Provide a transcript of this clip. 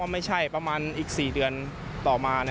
ไม่ใช่ประมาณอีก๔เดือนต่อมา